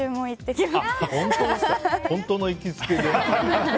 本当の行きつけですね。